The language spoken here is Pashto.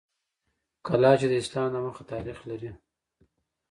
کلا چې د اسلام د مخه تاریخ لري